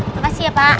makasih ya pak